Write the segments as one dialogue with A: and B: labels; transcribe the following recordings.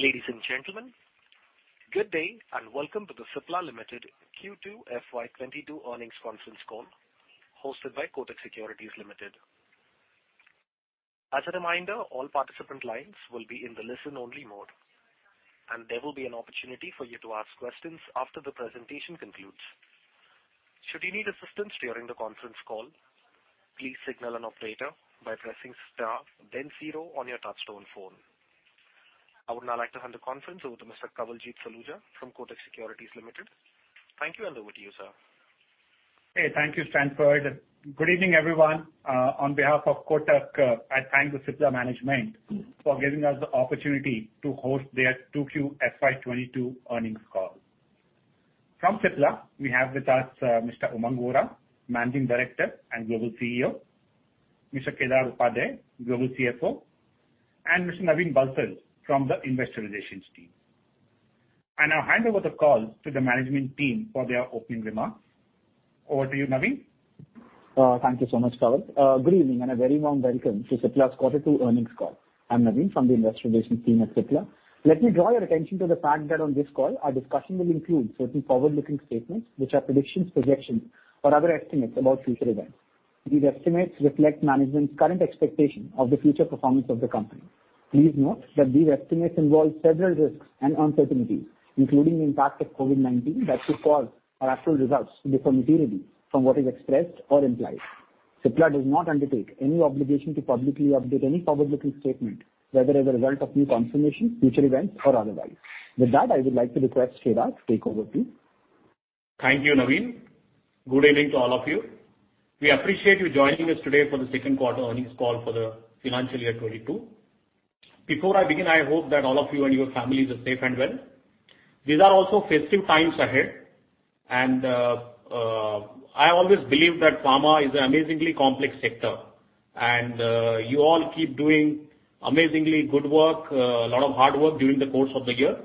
A: Ladies and gentlemen, good day and welcome to the Cipla Limited Q2 FY 2022 Earnings Conference Call hosted by Kotak Securities Limited. As a reminder, all participant lines will be in the listen-only mode, and there will be an opportunity for you to ask questions after the presentation concludes. Should you need assistance during the conference call, please signal an operator by pressing star then zero on your touchtone phone. I would now like to hand the conference over to Mr. Kawaljeet Saluja from Kotak Securities Limited. Thank you, and over to you, sir.
B: Hey, thank you, Stanford. Good evening, everyone. On behalf of Kotak, I thank the Cipla management for giving us the opportunity to host their 2Q FY 2022 earnings call. From Cipla we have with us, Mr. Umang Vohra, Managing Director and Global CEO, Mr. Kedar Upadhye, Global CFO, and Mr. Naveen Bansal from the Investor Relations team. I now hand over the call to the management team for their opening remarks. Over to you, Naveen.
C: Thank you so much, Kawal. Good evening and a very warm welcome to Cipla's quarter two earnings call. I'm Naveen from the Investor Relations team at Cipla. Let me draw your attention to the fact that on this call our discussion will include certain forward-looking statements, which are predictions, projections or other estimates about future events. These estimates reflect management's current expectation of the future performance of the company. Please note that these estimates involve several risks and uncertainties, including the impact of COVID-19, that could cause our actual results to differ materially from what is expressed or implied. Cipla does not undertake any obligation to publicly update any forward-looking statement, whether as a result of new information, future events or otherwise. With that, I would like to request Kedar to take over, please.
D: Thank you, Naveen. Good evening to all of you. We appreciate you joining us today for the second quarter earnings call for the financial year 2022. Before I begin, I hope that all of you and your families are safe and well. These are also festive times ahead, and I always believe that pharma is an amazingly complex sector and you all keep doing amazingly good work, a lot of hard work during the course of the year.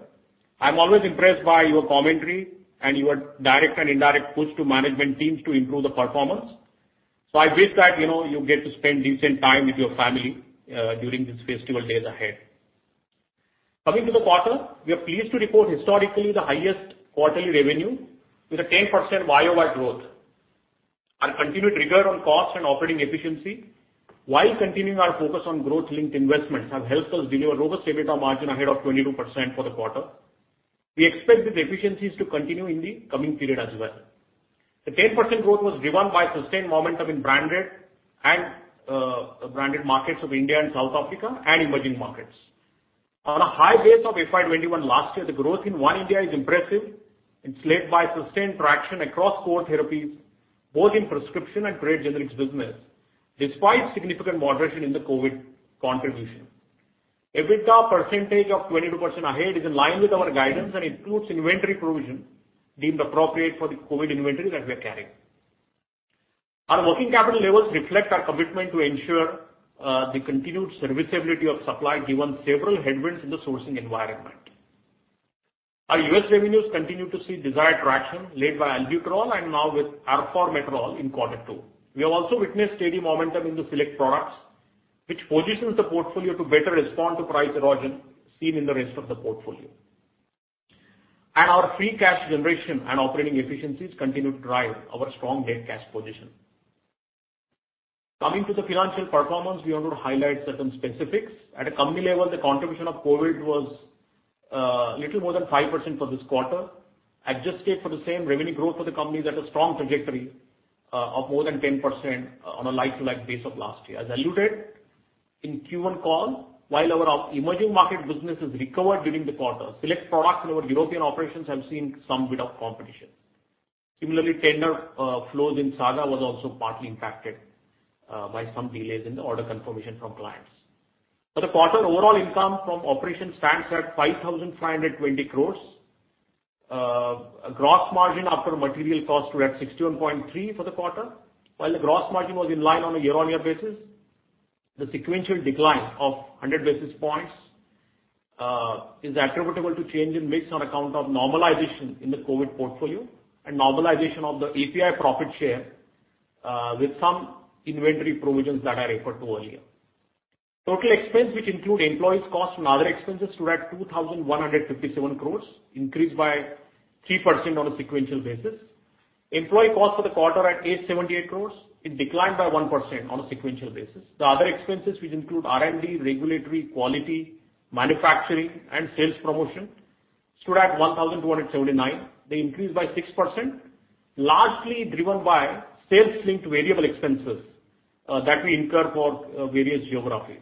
D: I'm always impressed by your commentary and your direct and indirect push to management teams to improve the performance. I wish that, you know, you'll get to spend decent time with your family during these festival days ahead. Coming to the quarter, we are pleased to report historically the highest quarterly revenue with a 10% Y-o-Y growth.vOur continued rigor on cost and operating efficiency while continuing our focus on growth-linked investments have helped us deliver robust EBITDA margin ahead of 22% for the quarter. We expect these efficiencies to continue in the coming period as well. The 10% growth was driven by sustained momentum in branded markets of India and South Africa and emerging markets. On a high base of FY 2021 last year, the growth in One India is impressive and led by sustained traction across core therapies, both in prescription and trade generics business, despite significant moderation in the COVID contribution. EBITDA percentage of 22% ahead is in line with our guidance and includes inventory provision deemed appropriate for the COVID inventory that we are carrying. Our working capital levels reflect our commitment to ensure the continued serviceability of supply, given several headwinds in the sourcing environment. Our U.S. revenues continue to see desired traction led by albuterol and now with arformoterol in quarter two. We have also witnessed steady momentum in the select products, which positions the portfolio to better respond to price erosion seen in the rest of the portfolio. Our free cash generation and operating efficiencies continue to drive our strong net cash position. Coming to the financial performance, we want to highlight certain specifics. At a company level, the contribution of COVID was little more than 5% for this quarter. Adjusted for the same revenue growth for the company is at a strong trajectory of more than 10% on a like-for-like base of last year. As alluded in Q1 call, while our emerging market businesses recovered during the quarter, select products in our European operations have seen some bit of competition. Similarly, tender flows in SAGA was also partly impacted by some delays in the order confirmation from clients. For the quarter, overall income from operations stands at 5,520 crore. Gross margin after material cost were at 61.3% for the quarter. While the gross margin was in line on a year-on-year basis, the sequential decline of 100 basis points is attributable to change in mix on account of normalization in the COVID portfolio and normalization of the API profit share with some inventory provisions that I referred to earlier. Total expense, which include employees' costs and other expenses, stood at 2,157 crore, increased by 3% on a sequential basis. Employee costs for the quarter at 878 crore, it declined by 1% on a sequential basis. The other expenses, which include R&D, regulatory, quality, manufacturing, and sales promotion stood at 1,279 crores. They increased by 6%, largely driven by sales-linked variable expenses that we incur for various geographies.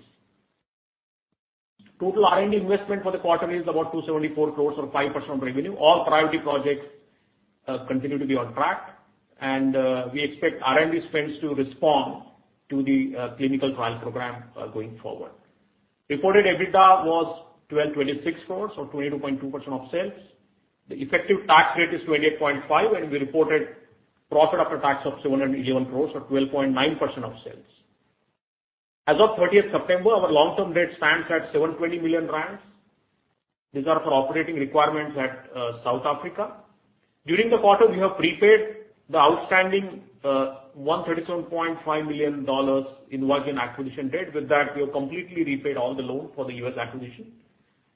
D: Total R&D investment for the quarter is about 274 crores or 5% of revenue. All priority projects continue to be on track, and we expect R&D spends to respond to the clinical trial program going forward. Reported EBITDA was 1,226 crores or 22.2% of sales. The effective tax rate is 28.5%, and we reported profit after tax of 711 crores or 12.9% of sales. As of September 30, our long-term debt stands at 720 million rand. These are for operating requirements at South Africa. During the quarter, we have prepaid the outstanding $137.5 million in InvaGen acquisition debt. With that, we have completely repaid all the loans for the U.S. acquisition.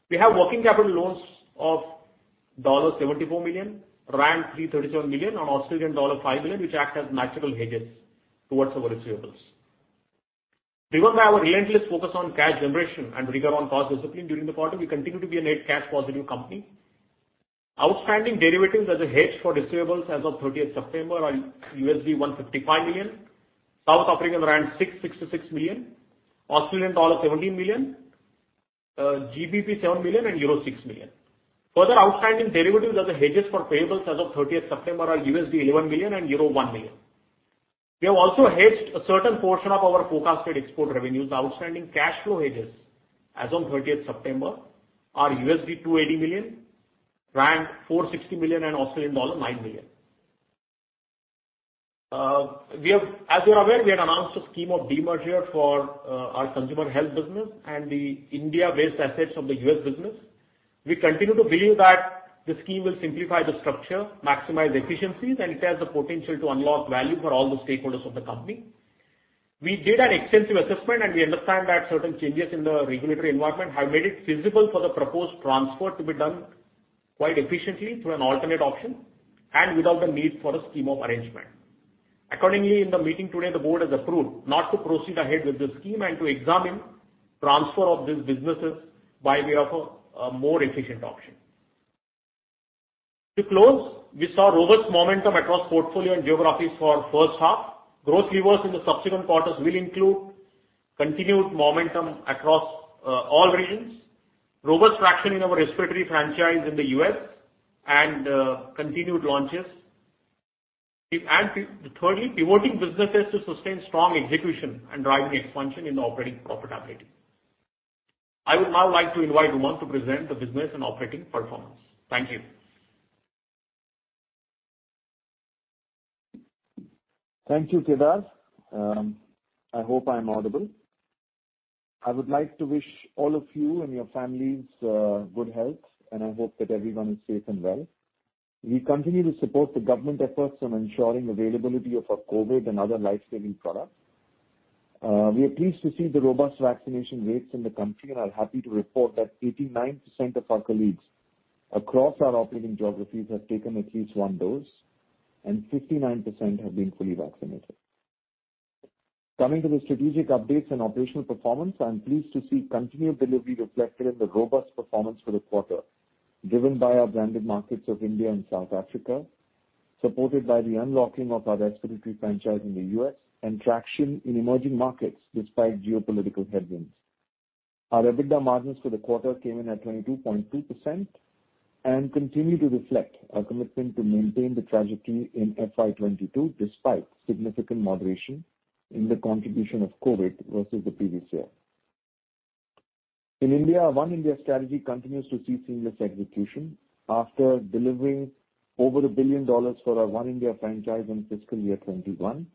D: We have working capital loans of $74 million, rand 337 million, and Australian dollar 5 million, which act as natural hedges towards our receivables. Driven by our relentless focus on cash generation and rigor on cost discipline during the quarter, we continue to be a net cash positive company. Outstanding derivatives as a hedge for receivables as of September 30 are $155 million, South African rand 666 million, Australian dollar 17 million, GBP 7 million, and euro 6 million. Further, outstanding derivatives as hedges for payables as of September 30 are $11 million and euro 1 million. We have also hedged a certain portion of our forecasted export revenues. Outstanding cash flow hedges as on 30 September are $280 million, 460 million, and Australian dollar 9 million. As you are aware, we had announced a scheme of demerger for our consumer health business and the India-based assets of the US business. We continue to believe that the scheme will simplify the structure, maximize efficiencies, and it has the potential to unlock value for all the stakeholders of the company. We did an extensive assessment, and we understand that certain changes in the regulatory environment have made it feasible for the proposed transfer to be done quite efficiently through an alternate option and without the need for a scheme of arrangement. Accordingly, in the meeting today, the board has approved not to proceed ahead with the scheme and to examine transfer of these businesses by way of a more efficient option. To close, we saw robust momentum across portfolio and geographies for first half. Growth levers in the subsequent quarters will include continued momentum across all regions, robust traction in our respiratory franchise in the U.S. and continued launches. Thirdly, pivoting businesses to sustain strong execution and driving expansion in operating profitability. I would now like to invite Umang to present the business and operating performance. Thank you.
E: Thank you, Kedar. I hope I am audible. I would like to wish all of you and your families good health, and I hope that everyone is safe and well. We continue to support the government efforts on ensuring availability of our COVID and other life-saving products. We are pleased to see the robust vaccination rates in the country and are happy to report that 89% of our colleagues across our operating geographies have taken at least one dose, and 59% have been fully vaccinated. Coming to the strategic updates and operational performance, I am pleased to see continued delivery reflected in the robust performance for the quarter, driven by our branded markets of India and South Africa, supported by the unlocking of our respiratory franchise in the U.S. and traction in emerging markets despite geopolitical headwinds. Our EBITDA margins for the quarter came in at 22.2% and continue to reflect our commitment to maintain the trajectory in FY 2022, despite significant moderation in the contribution of COVID versus the previous year. In India, our One India strategy continues to see seamless execution. After delivering over $1 billion for our One India franchise in fiscal year 2021,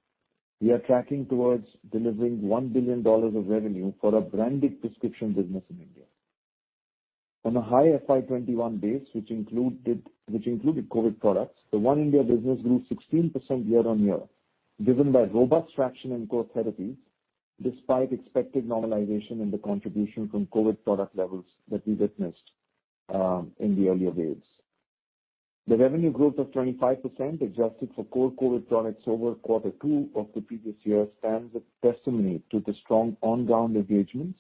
E: we are tracking towards delivering $1 billion of revenue for our branded prescription business in India. On a high FY 2021 base, which included COVID products, the One India business grew 16% year-on-year, driven by robust traction in core therapies, despite expected normalization in the contribution from COVID product levels that we witnessed in the earlier days. The revenue growth of 25% adjusted for core COVID products over quarter two of the previous year stands as testimony to the strong on-ground engagements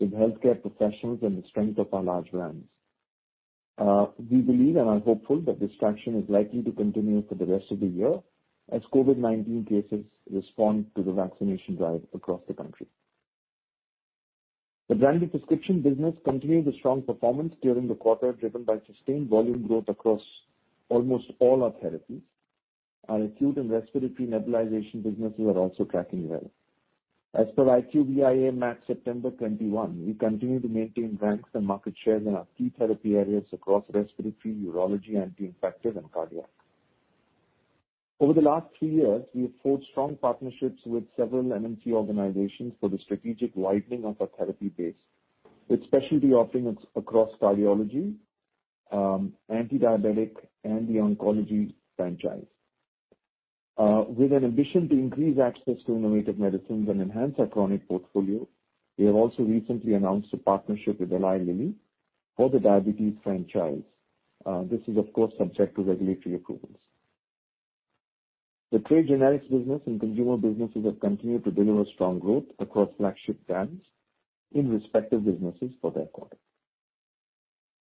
E: with healthcare professionals and the strength of our large brands. We believe and are hopeful that this traction is likely to continue for the rest of the year as COVID-19 cases respond to the vaccination drive across the country. The branded prescription business continues a strong performance during the quarter, driven by sustained volume growth across almost all our therapies. Our acute and respiratory nebulization businesses are also tracking well. As per IQVIA MAT September 2021, we continue to maintain ranks and market shares in our key therapy areas across respiratory, urology, anti-infective, and cardiac. Over the last three years, we have forged strong partnerships with several MNC organizations for the strategic widening of our therapy base, with specialty offerings across cardiology, antidiabetic, and the oncology franchise. With an ambition to increase access to innovative medicines and enhance our chronic portfolio, we have also recently announced a partnership with Eli Lilly for the diabetes franchise. This is of course subject to regulatory approvals. The trade generics business and consumer businesses have continued to deliver strong growth across flagship brands in respective businesses for that quarter.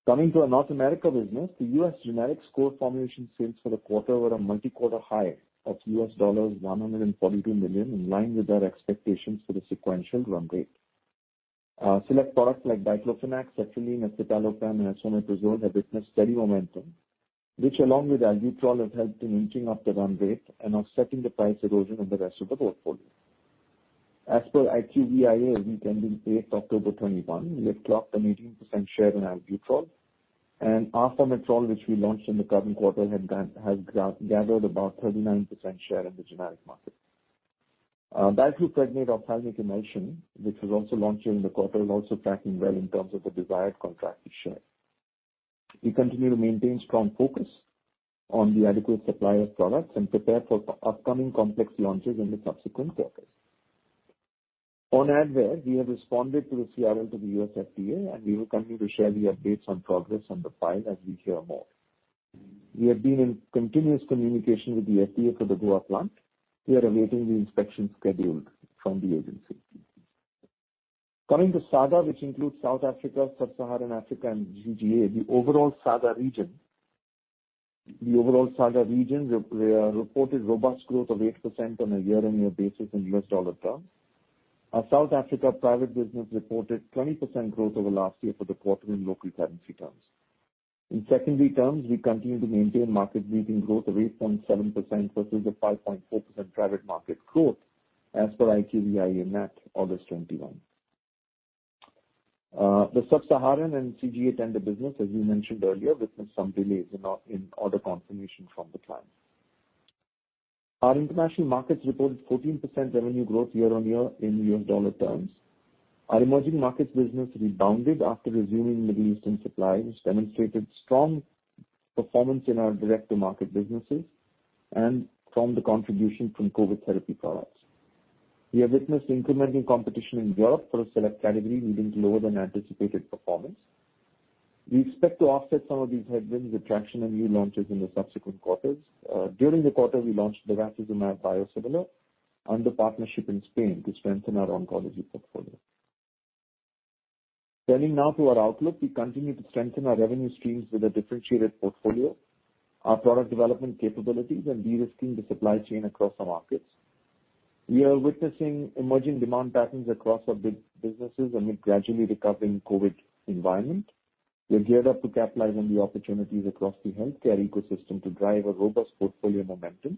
E: Coming to our North America business, the U.S. generics core formulation sales for the quarter were a multi-quarter high of $142 million, in line with our expectations for the sequential run rate. Select products like diclofenac, cetirizine, escitalopram, and esomeprazole have witnessed steady momentum, which along with albuterol has helped in inching up the run rate and offsetting the price erosion in the rest of the portfolio. As per IQVIA week ending eighth October 2021, we have clocked an 18% share in albuterol, and arformoterol, which we launched in the current quarter, has gathered about 39% share in the generic market. Cyclosporine ophthalmic emulsion, which was also launched during the quarter, is also tracking well in terms of the desired contracted share. We continue to maintain strong focus on the adequate supply of products and prepare for upcoming complex launches in the subsequent quarters. On Advair, we have responded to the CRL to the U.S. FDA, and we will continue to share the updates on progress on the file as we hear more. We have been in continuous communication with the FDA for the Goa plant. We are awaiting the inspection schedule from the agency. Coming to SAGA, which includes South Africa, Sub-Saharan Africa and CGA, the overall SAGA region reported robust growth of 8% on a year-on-year basis in US dollar terms. Our South Africa private business reported 20% growth over last year for the quarter in local currency terms. In USD terms, we continue to maintain market-leading growth of 8.7% versus a 5.4% private market growth as per IQVIA MAT, August 2021. The Sub-Saharan and CGA tender business, as you mentioned earlier, witnessed some delays in order confirmation from the clients. Our international markets reported 14% revenue growth year-on-year in US dollar terms. Our emerging markets business rebounded after resuming Middle Eastern supply, which demonstrated strong performance in our direct-to-market businesses and from the contribution from COVID therapy products. We have witnessed incremental competition in Europe for a select category, leading to lower than anticipated performance. We expect to offset some of these headwinds with traction and new launches in the subsequent quarters. During the quarter, we launched Bevacizumab biosimilar under partnership in Spain to strengthen our oncology portfolio. Turning now to our outlook. We continue to strengthen our revenue streams with a differentiated portfolio, our product development capabilities and de-risking the supply chain across the markets. We are witnessing emerging demand patterns across our big businesses amid gradually recovering COVID environment. We're geared up to capitalize on the opportunities across the healthcare ecosystem to drive a robust portfolio momentum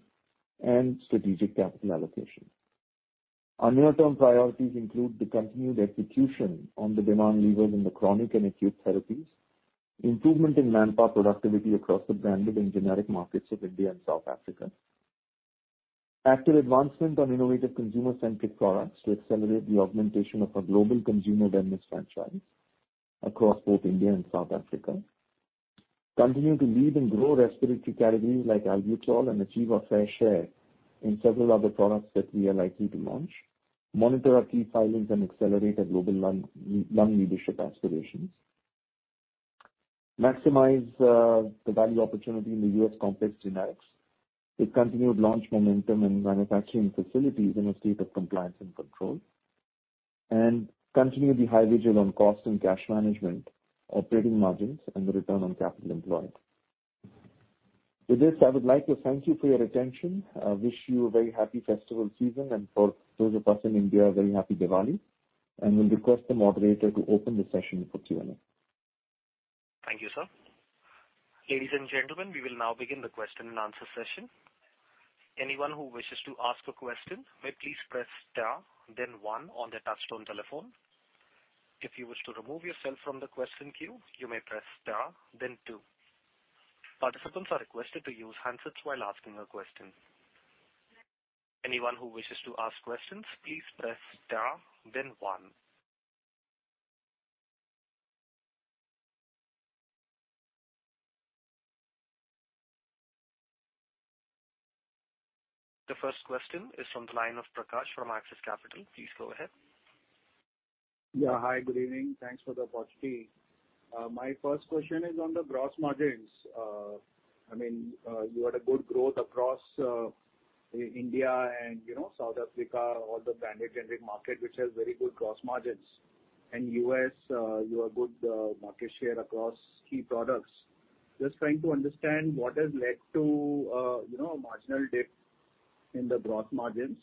E: and strategic capital allocation. Our near-term priorities include the continued execution on the demand levers in the chronic and acute therapies, improvement in manpower productivity across the branded and generic markets of India and South Africa. Active advancement on innovative consumer-centric products to accelerate the augmentation of our global consumer wellness franchise across both India and South Africa. Continue to lead and grow respiratory categories like Albuterol and achieve a fair share in several other products that we are likely to launch. Monitor our key filings and accelerate our global lung leadership aspirations. Maximize the value opportunity in the U.S. complex generics with continued launch momentum and manufacturing facilities in a state of compliance and control. Continue to be highly vigilant on cost and cash management, operating margins and the return on capital employed. With this, I would like to thank you for your attention. I wish you a very happy festival season, and for those of us in India, a very happy Diwali. Will request the moderator to open the session for Q&A.
A: Thank you, sir. Ladies and gentlemen, we will now begin the question and answer session. Anyone who wishes to ask a question may please press star then one on their touch-tone telephone. If you wish to remove yourself from the question queue, you may press star then two. Participants are requested to use handsets while asking a question. Anyone who wishes to ask questions, please press star then one. The first question is from the line of Prakash from Axis Capital. Please go ahead.
F: Yeah. Hi, good evening. Thanks for the opportunity. My first question is on the gross margins. I mean, you had a good growth across, India and, you know, South Africa, all the branded generic market, which has very good gross margins. In U.S., you have good market share across key products. Just trying to understand what has led to, you know, marginal dip in the gross margins.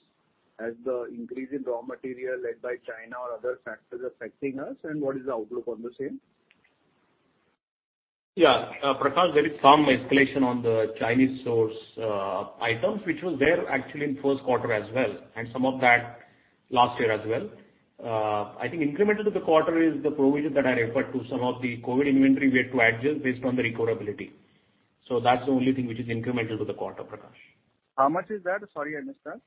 F: Has the increase in raw material led by China or other factors affecting us, and what is the outlook on the same?
D: Yeah. Prakash, there is some escalation on the Chinese-sourced items, which was there actually in first quarter as well, and some of that last year as well. I think incremental to the quarter is the provision that I referred to some of the COVID inventory we had to adjust based on the realizability. That's the only thing which is incremental to the quarter, Prakash.
F: How much is that? Sorry, I missed that.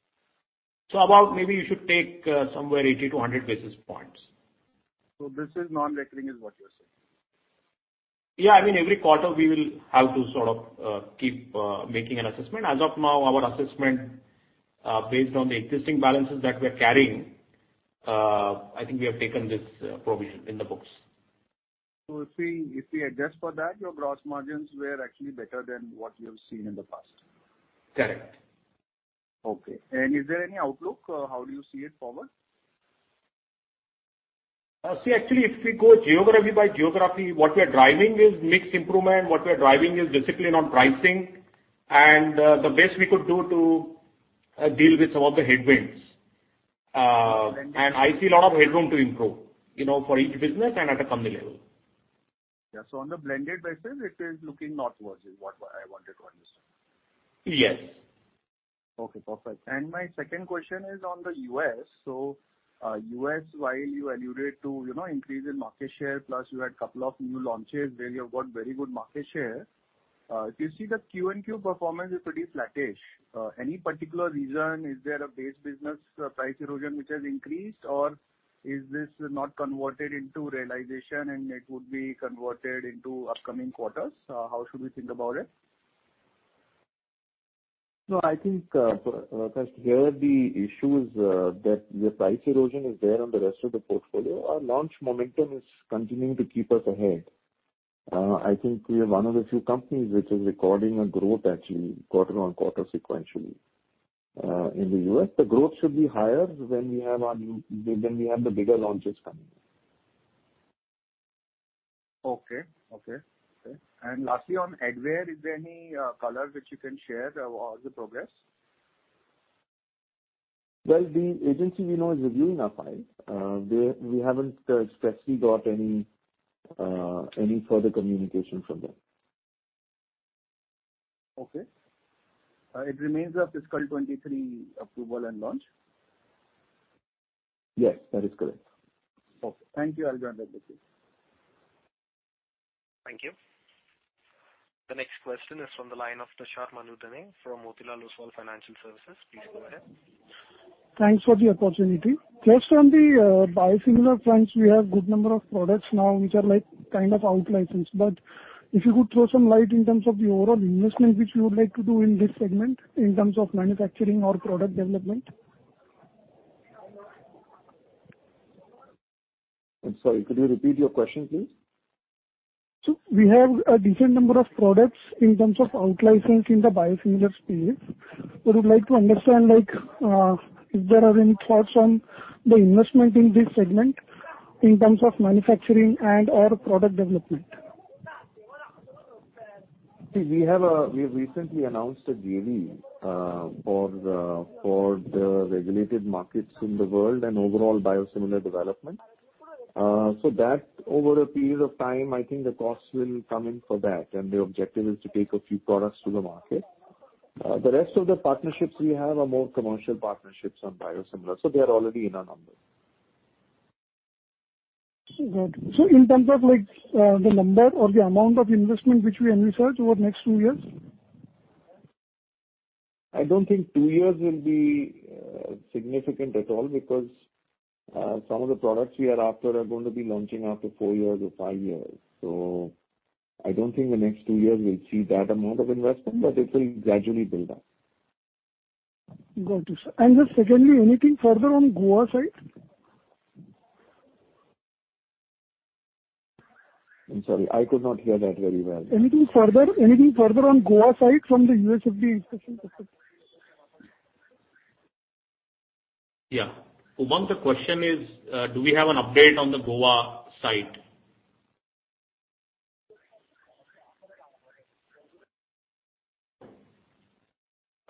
D: About maybe you should take somewhere 80-100 basis points.
F: This is non-recurring, is what you're saying.
D: Yeah. I mean, every quarter we will have to sort of keep making an assessment. As of now, our assessment based on the existing balances that we're carrying, I think we have taken this provision in the books.
F: If we adjust for that, your gross margins were actually better than what we have seen in the past?
D: Correct.
F: Okay. Is there any outlook? How do you see it forward?
D: See, actually, if we go geography by geography, what we are driving is mix improvement. What we are driving is discipline on pricing and the best we could do to deal with some of the headwinds. I see a lot of headroom to improve, you know, for each business and at a company level.
F: Yeah. On a blended basis, it is looking not worse, is what I wanted to understand.
D: Yes.
F: Okay, perfect. My second question is on the U.S. U.S., while you alluded to, you know, increase in market share, plus you had couple of new launches where you have got very good market share. You see the Q-on-Q performance is pretty flattish. Any particular reason? Is there a base business, price erosion which has increased? Or is this not converted into realization and it would be converted into upcoming quarters? How should we think about it?
E: No, I think, first, here the issue is, that the price erosion is there on the rest of the portfolio. Our launch momentum is continuing to keep us ahead. I think we are one of the few companies which is recording a growth actually quarter-on-quarter sequentially. In the U.S., the growth should be higher when we have the bigger launches coming up.
F: Okay. Lastly, on Advair, is there any color which you can share or the progress?
E: Well, the agency, we know, is reviewing our files. We haven't specifically got any further communication from them.
F: Okay. It remains the fiscal 2023 approval and launch?
E: Yes, that is correct.
F: Okay. Thank you. I'll join back with you.
A: Thank you. The next question is from the line of Tushar Manudhane from Motilal Oswal Financial Services. Please go ahead.
G: Thanks for the opportunity. First, on the biosimilar front, we have good number of products now which are like kind of out licensed. If you could throw some light in terms of the overall investment which you would like to do in this segment in terms of manufacturing or product development?
E: I'm sorry. Could you repeat your question, please?
G: We have a decent number of products in terms of out licensing in the biosimilar space. We would like to understand, like, if there are any thoughts on the investment in this segment in terms of manufacturing and/or product development.
E: We have recently announced a JV for the regulated markets in the world and overall biosimilar development. That over a period of time, I think the costs will come in for that, and the objective is to take a few products to the market. The rest of the partnerships we have are more commercial partnerships on biosimilar, so they are already in our numbers.
G: Got you. In terms of like, the number or the amount of investment which we envisage over the next two years?
E: I don't think two years will be significant at all because some of the products we are after are going to be launching after four years or five years. I don't think the next two years we'll see that amount of investment, but it will gradually build up.
G: Got you, sir. Secondly, anything further on Goa side?
E: I'm sorry. I could not hear that very well.
G: Anything further on Goa side from the U.S. FDA discussion perspective?
C: Yeah. Umang, the question is, do we have an update on the Goa side?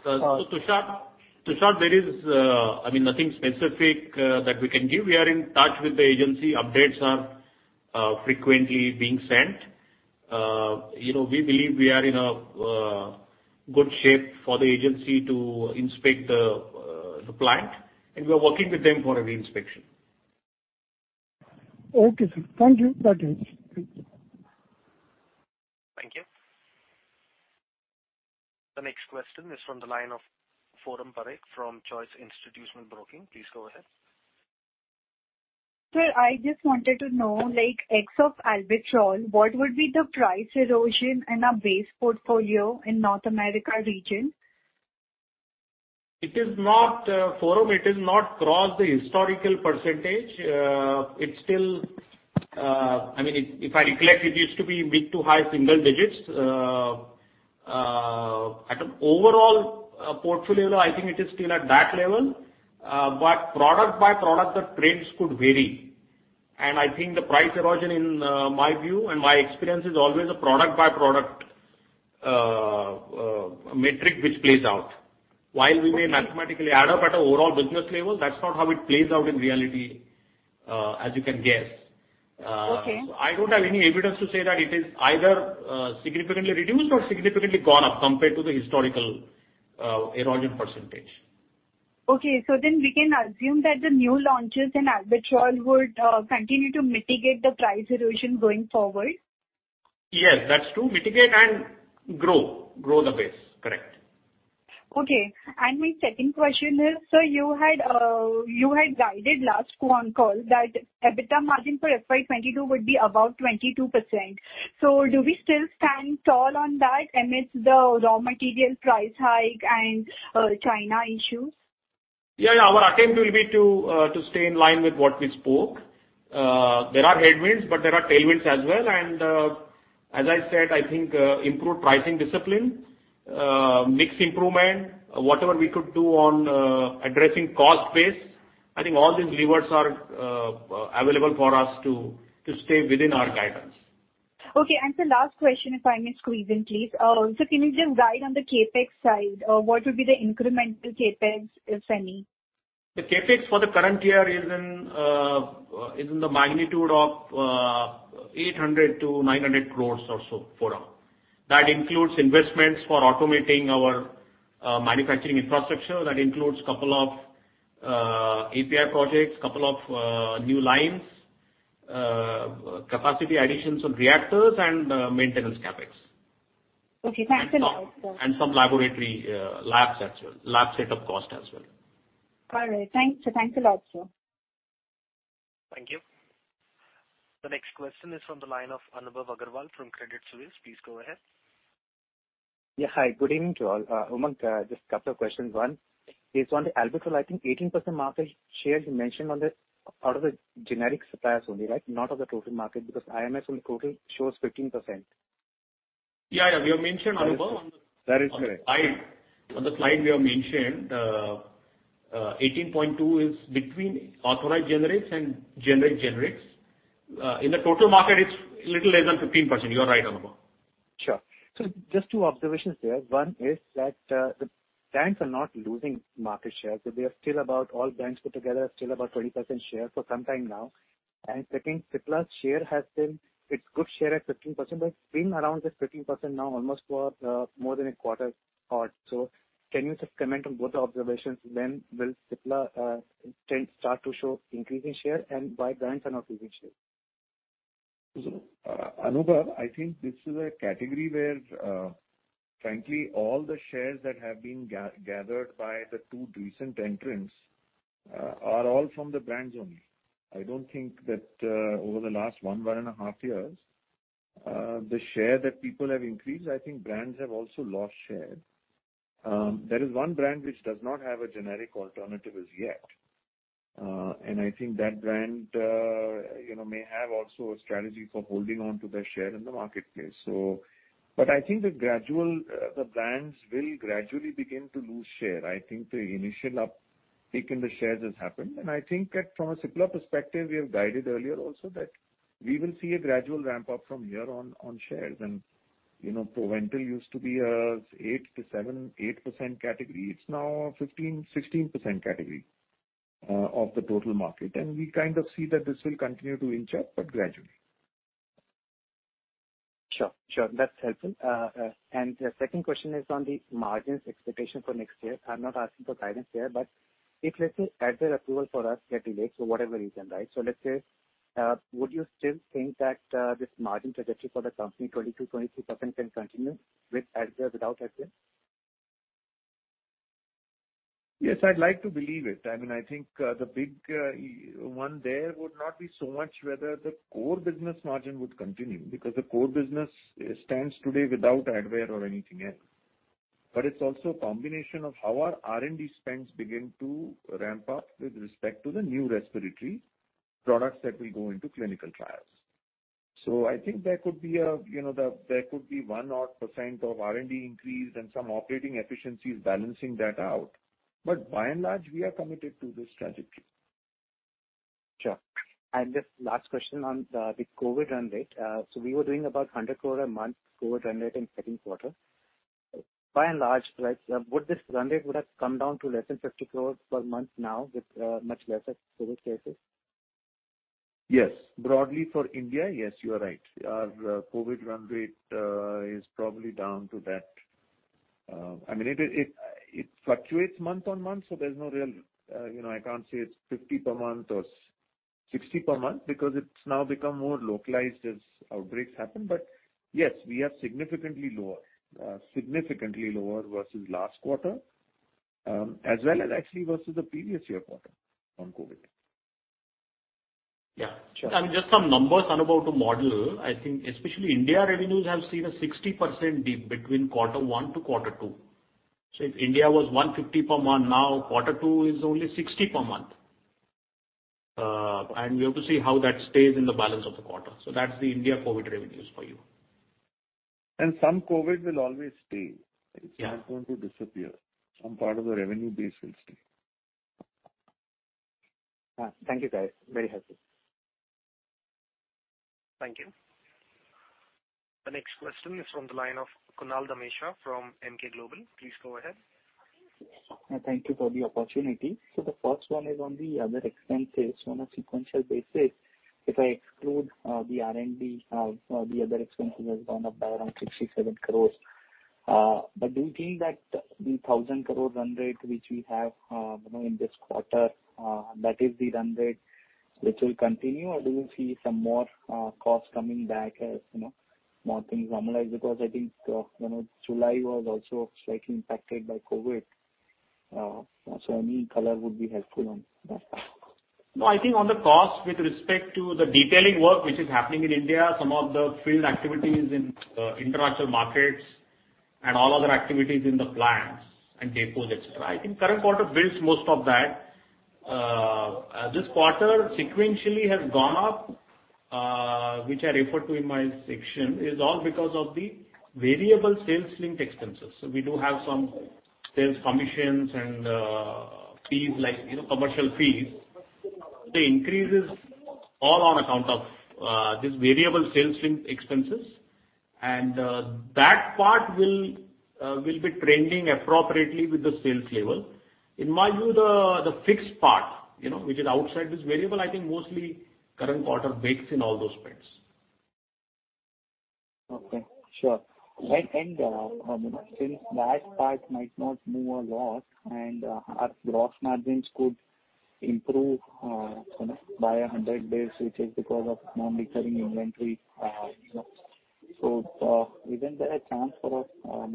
E: Tushar, there is, I mean, nothing specific that we can give. We are in touch with the agency. Updates are frequently being sent. You know, we believe we are in a good shape for the agency to inspect the plant, and we are working with them for a re-inspection.
G: Okay, sir. Thank you. That's it. Thank you.
A: Thank you. The next question is from the line of Forum Parekh from Choice Institutional Broking. Please go ahead.
H: Sir, I just wanted to know, like, ex of albuterol, what would be the price erosion in our base portfolio in North America region?
D: It is not, Forum, it has not crossed the historical percentage. It's still. I mean, if I recollect, it used to be mid to high single digits. At an overall portfolio, I think it is still at that level. But product by product, the trends could vary. I think the price erosion in my view and my experience is always a product by product metric which plays out. While we may mathematically add up at an overall business level, that's not how it plays out in reality, as you can guess.
H: Okay.
D: I don't have any evidence to say that it is either, significantly reduced or significantly gone up compared to the historical, erosion percentage.
H: Okay. We can assume that the new launches in albuterol would continue to mitigate the price erosion going forward?
D: Yes, that's to mitigate and grow the base. Correct.
H: Okay. My second question is, sir, you had guided last quarter on call that EBITDA margin for FY 2022 would be above 22%. Do we still stand tall on that amidst the raw material price hike and China issues?
D: Our attempt will be to stay in line with what we spoke. There are headwinds, but there are tailwinds as well. As I said, I think improved pricing discipline, mix improvement, whatever we could do on addressing cost base, I think all these levers are available for us to stay within our guidance.
H: Okay. The last question, if I may squeeze in, please. Can you just guide on the CapEx side? What would be the incremental CapEx, if any?
D: The CapEx for the current year is in the magnitude of 800 crore-900 crore or so, Forum. That includes investments for automating our manufacturing infrastructure. That includes couple of API projects, couple of new lines, capacity additions on reactors and maintenance CapEx.
H: Okay, thanks a lot, sir.
D: Some laboratory labs as well, lab setup cost as well.
H: All right. Thank you. Thank you a lot, sir.
A: Thank you. The next question is from the line of Anubhav Agarwal from Credit Suisse. Please go ahead.
I: Yeah, hi. Good evening to all. Umang, just a couple of questions. One is on the albuterol, I think 18% market share you mentioned, out of the generic suppliers only, right? Not of the total market, because IMS on the total shows 15%.
D: Yeah, yeah. We have mentioned, Anubhav, on the-
E: That is correct.
D: On the slide, we have mentioned 18.2 is between authorized generics and generic generics. In the total market, it's little less than 15%. You are right, Anubhav.
I: Just two observations there. One is that the brands are not losing market share, so they are still about all brands put together are still about 20% share for some time now. Second, Cipla's share has been its good share at 15%, but it's been around this 15% now almost for more than a quarter odd. Can you just comment on both the observations, when will Cipla start to show increasing share and why brands are not losing share?
E: Anubhav, I think this is a category where, frankly, all the shares that have been gathered by the two recent entrants are all from the brands only. I don't think that over the last one and a half years, the share that people have increased. I think brands have also lost share. There is one brand which does not have a generic alternative as yet. I think that brand, you know, may have also a strategy for holding on to their share in the marketplace. I think the brands will gradually begin to lose share. I think the initial uptake in the shares has happened. I think that from a Cipla perspective, we have guided earlier also that we will see a gradual ramp up from here on shares. You know, Proventil used to be a 8%-7.8% category. It's now a 15%-16% category of the total market. We kind of see that this will continue to inch up, but gradually.
I: Sure, sure. That's helpful. The second question is on the margins expectation for next year. I'm not asking for guidance here, but if let's say Advair approval for us get delayed for whatever reason, right? Let's say, would you still think that this margin trajectory for the company 22%-23% can continue with Advair, without Advair?
E: Yes, I'd like to believe it. I mean, I think, the big, one there would not be so much whether the core business margin would continue because the core business stands today without Advair or anything else. It's also a combination of how our R&D spends begin to ramp up with respect to the new respiratory products that will go into clinical trials. I think there could be a, you know, there could be one odd % of R&D increase and some operating efficiencies balancing that out. By and large, we are committed to this trajectory.
I: Sure. Just last question on the COVID run rate. So we were doing about 100 crore a month COVID run rate in second quarter. By and large, right, would this run rate have come down to less than 50 crore per month now with much lesser COVID cases?
E: Yes. Broadly for India, yes, you are right. Our COVID run rate is probably down to that. I mean, it fluctuates month-on-month, so there's no real, you know, I can't say it's 50 per month or 60 per month because it's now become more localized as outbreaks happen. Yes, we are significantly lower versus last quarter, as well as actually versus the previous-year quarter on COVID.
I: Yeah. Sure.
D: Just some numbers, Anubhav, to model. I think especially India revenues have seen a 60% dip between quarter one to quarter two. If India was 150 per month, now quarter two is only 60 per month. We have to see how that stays in the balance of the quarter. That's the India COVID revenues for you.
E: Some COVID will always stay.
I: Yeah.
E: It's not going to disappear. Some part of the revenue base will stay.
I: Thank you guys. Very helpful.
A: Thank you. The next question is from the line of Kunal Dhamesha from Emkay Global. Please go ahead.
J: Thank you for the opportunity. The first one is on the other expenses. On a sequential basis, if I exclude the R&D, the other expenses has gone up by around 67 crore. But do you think that the 1,000 crore run rate which we have, you know, in this quarter, that is the run rate which will continue? Or do you see some more costs coming back as, you know, more things normalize? Because I think, you know, July was also slightly impacted by COVID. So any color would be helpful on that part.
D: No, I think on the cost with respect to the detailing work which is happening in India, some of the field activities in international markets and all other activities in the plants and depots, et cetera. I think current quarter builds most of that. This quarter sequentially has gone up, which I referred to in my section, is all because of the variable sales linked expenses. So we do have some sales commissions and fees like, you know, commercial fees. The increase is all on account of this variable sales linked expenses. That part will be trending appropriately with the sales level. In my view, the fixed part, you know, which is outside this variable, I think mostly current quarter bakes in all those spends.
J: Okay. Sure. Since that part might not move a lot and our gross margins could improve, you know, by 100 basis, which is because of non-recurring inventory, you know. Isn't there a chance for a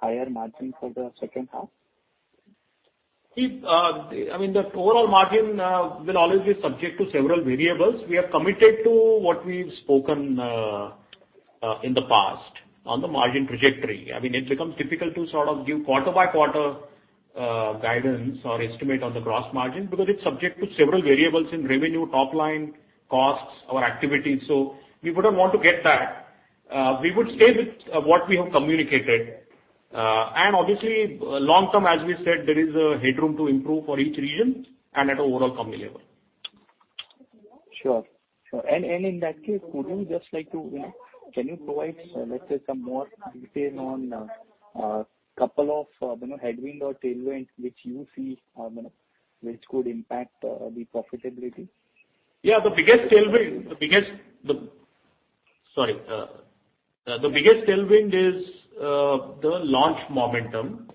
J: higher margin for the second half?
D: See, I mean, the overall margin will always be subject to several variables. We are committed to what we've spoken in the past on the margin trajectory. I mean, it becomes difficult to sort of give quarter by quarter guidance or estimate on the gross margin because it's subject to several variables in revenue, top line costs, our activities. We wouldn't want to get that. We would stay with what we have communicated. Obviously long term, as we said, there is a headroom to improve for each region and at overall company level.
J: Sure. In that case, you know, can you provide, let's say, some more detail on couple of, you know, headwind or tailwind which you see, you know, which could impact the profitability?
D: Yeah. The biggest tailwind is the launch momentum.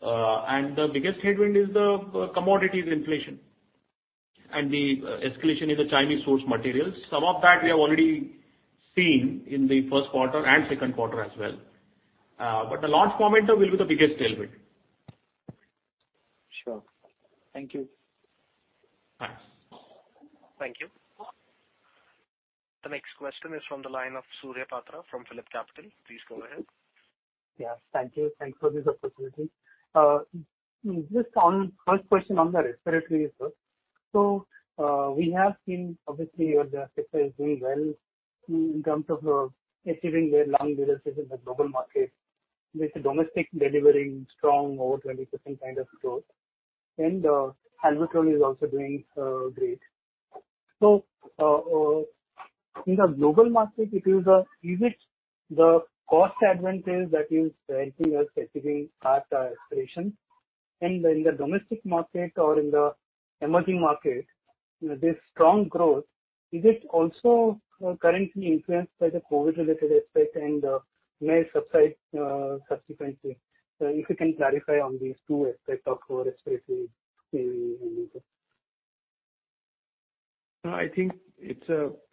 D: The biggest headwind is the commodities inflation and the escalation in the Chinese source materials. Some of that we have already seen in the first quarter and second quarter as well. The launch momentum will be the biggest tailwind.
J: Sure. Thank you.
D: Thanks.
A: Thank you. The next question is from the line of Surya Narayan Patra from PhillipCapital. Please go ahead.
K: Yes, thank you. Thanks for this opportunity. Just on first question on the respiratory, sir. We have seen obviously your ICS is doing well in terms of achieving their lung diseases in the global market with domestic delivering strong over 20% kind of growth. Albuterol is also doing great. In the global market, is it the cost advantage that is helping you achieving your aspiration? And in the domestic market or in the emerging market, this strong growth, is it also currently influenced by the COVID-related aspect and may subside subsequently? If you can clarify on these two aspects of your respiratory.
E: I think it's.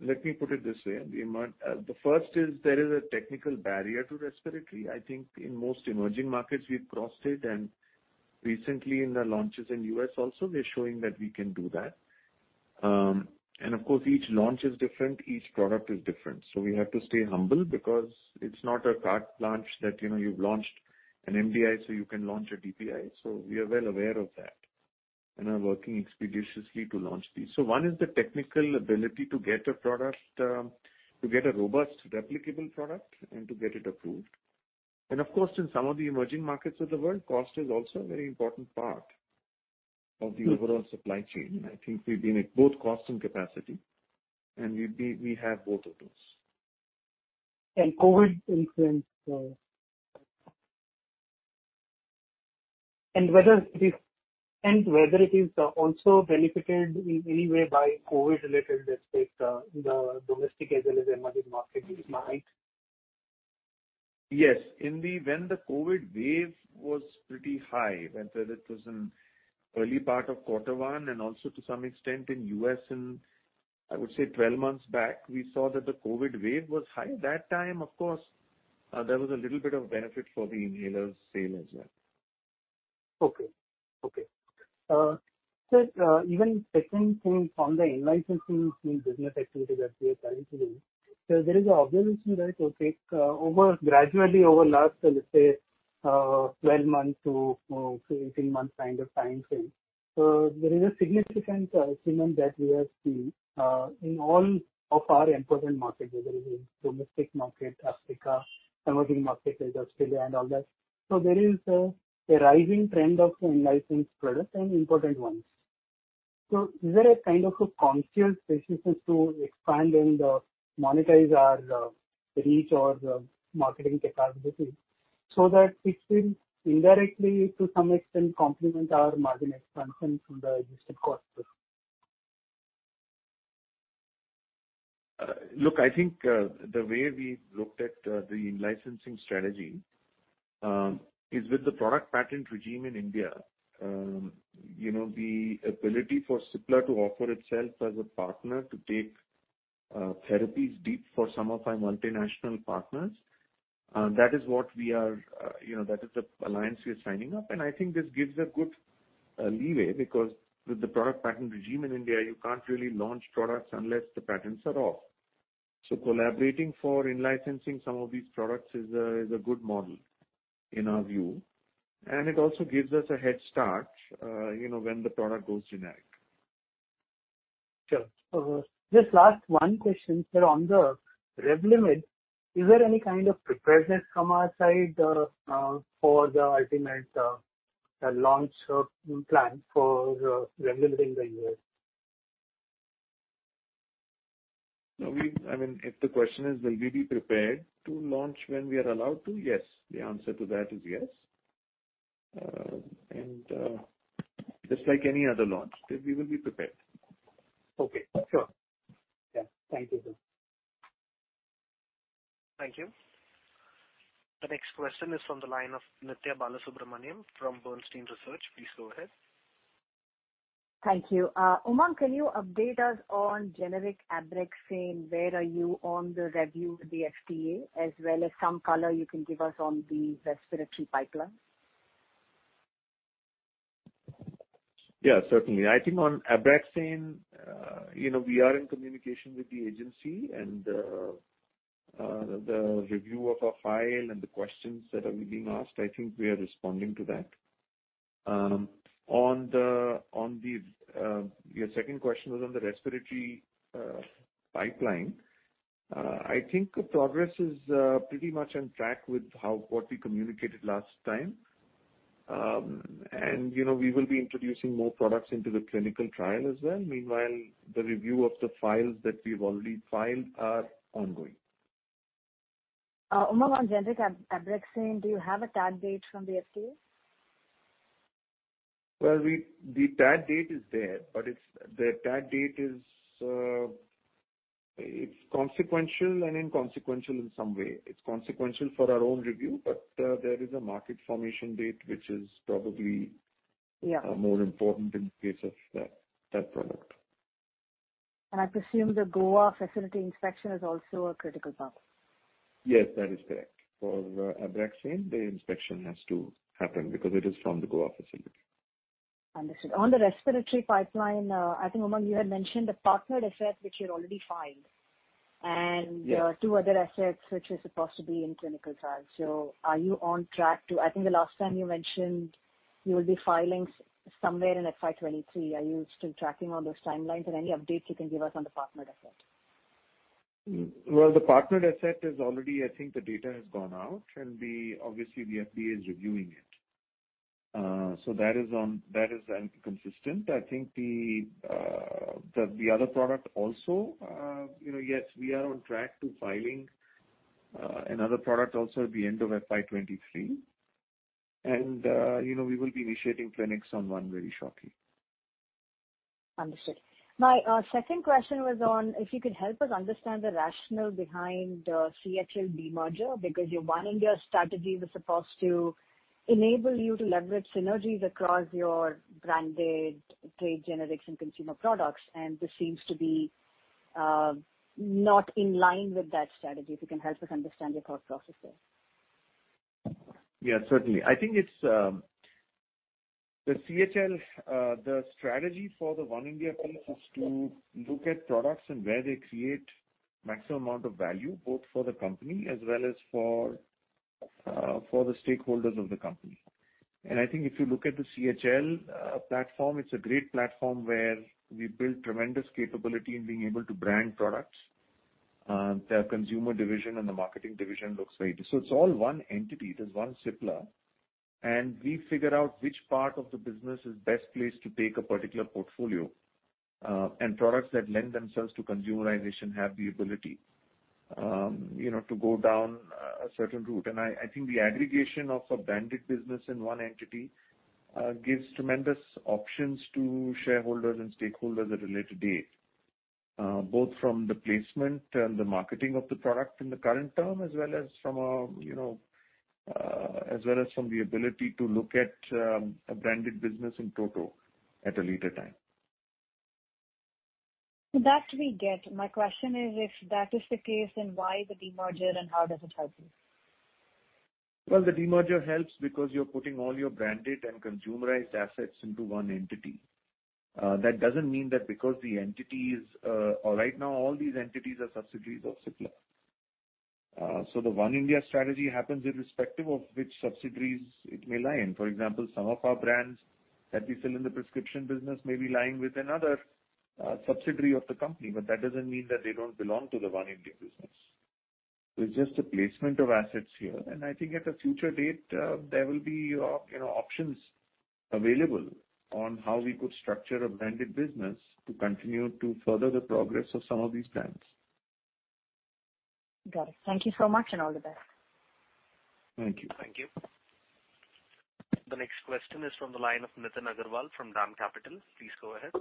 E: Let me put it this way. The first is there is a technical barrier to respiratory. I think in most emerging markets we've crossed it. Recently in the launches in U.S. also we're showing that we can do that. Of course, each launch is different, each product is different. We have to stay humble because it's not a cart launch that, you know, you've launched an MDI, so you can launch a DPI. We are well aware of that and are working expeditiously to launch these. One is the technical ability to get a product, to get a robust replicable product and to get it approved. Of course, in some of the emerging markets of the world, cost is also a very important part of the overall supply chain. I think we've been at both cost and capacity, and we have both of those.
K: COVID influence and whether it is also benefited in any way by COVID related aspect in the domestic as well as emerging market it might.
E: Yes. When the COVID wave was pretty high, whether it was in early part of quarter one and also to some extent in U.S. in, I would say 12 months back, we saw that the COVID wave was high. That time, of course, there was a little bit of benefit for the inhaler sale as well.
K: Okay. Sir, even second thing from the in-licensing business activity that we are currently in. There is observation that will take over gradually over last, let's say, 12 months to 18 months kind of time frame. There is a significant improvement that we have seen in all of our important markets, whether it is domestic market, Africa, emerging markets like Australia and all that. There is a rising trend of in-licensed products and important ones. Is there a kind of a conscious decision to expand and monetize our reach or the marketing capability so that it will indirectly to some extent complement our margin expansion from the usage cost?
E: Look, I think the way we looked at the in-licensing strategy is with the product patent regime in India, you know, the ability for Cipla to offer itself as a partner to take therapies deep for some of our multinational partners, that is what we are, you know, that is the alliance we are signing up. I think this gives a good leeway because with the product patent regime in India you can't really launch products unless the patents are off. Collaborating for in-licensing some of these products is a good model in our view. It also gives us a head start, you know, when the product goes generic.
K: Sure. Just last one question, sir. On the Revlimid, is there any kind of preparedness from our side, for the ultimate, launch, plan for Revlimid in the U.S.?
E: No, I mean, if the question is will we be prepared to launch when we are allowed to? Yes. The answer to that is yes. Just like any other launch, we will be prepared.
K: Okay, sure. Yeah. Thank you, sir.
A: Thank you. The next question is from the line of Nithya Balasubramanian from Bernstein Research. Please go ahead.
L: Thank you. Umang, can you update us on generic Abraxane? Where are you on the review with the FDA as well as some color you can give us on the respiratory pipeline?
E: Yeah, certainly. I think on Abraxane, you know, we are in communication with the agency and the review of our file and the questions that are being asked, I think we are responding to that. Your second question was on the respiratory pipeline. I think progress is pretty much on track with what we communicated last time. You know, we will be introducing more products into the clinical trial as well. Meanwhile, the review of the files that we've already filed are ongoing.
L: Umang, on generic Abraxane, do you have a target date from the FDA?
E: Well, the tag date is there, but it's consequential and inconsequential in some way. It's consequential for our own review, but there is a market formation date, which is probably-
L: Yeah.
D: more important in the case of that product.
L: I presume the Goa facility inspection is also a critical part.
E: Yes, that is correct. For Abraxane, the inspection has to happen because it is from the Goa facility.
L: Understood. On the respiratory pipeline, I think, Umang, you had mentioned the partnered asset which you had already filed and-
E: Yes.
L: two other assets which are supposed to be in clinical trials. Are you on track to I think the last time you mentioned you will be filing somewhere in FY 2023. Are you still tracking on those timelines and any updates you can give us on the partnered asset?
E: The partnered asset is already, I think the data has gone out and obviously the FDA is reviewing it. That is on, that is consistent. I think the other product also, you know, yes, we are on track to filing another product also at the end of FY 2023. You know, we will be initiating clinics on one very shortly.
L: Understood. My second question was on if you could help us understand the rationale behind CHL demerger, because your One India strategy was supposed to enable you to leverage synergies across your branded trade generics and consumer products, and this seems to be not in line with that strategy. If you can help us understand your thought process there.
E: Yeah, certainly. I think it's the CHL strategy for the One India policy is to look at products and where they create maximum amount of value, both for the company as well as for the stakeholders of the company. I think if you look at the CHL platform, it's a great platform where we build tremendous capability in being able to brand products. It's all one entity. There's one Cipla, and we figure out which part of the business is best placed to take a particular portfolio and products that lend themselves to consumerization have the ability, you know, to go down a certain route. I think the aggregation of a branded business in one entity gives tremendous options to shareholders and stakeholders at a later date, both from the placement and the marketing of the product in the current term as well as from, you know, the ability to look at a branded business in total at a later time.
L: That we get. My question is, if that is the case, then why the demerger and how does it help you?
E: Well, the demerger helps because you're putting all your branded and consumerized assets into one entity. Right now all these entities are subsidiaries of Cipla. The One India strategy happens irrespective of which subsidiaries it may lie in. For example, some of our brands that we sell in the prescription business may be lying with another subsidiary of the company, but that doesn't mean that they don't belong to the One India business. It's just a placement of assets here, and I think at a future date, there will be options available on how we could structure a branded business to continue to further the progress of some of these brands.
L: Got it. Thank you so much and all the best.
E: Thank you.
A: Thank you. The next question is from the line of Nitin Agarwal from DAM Capital Advisors. Please go ahead.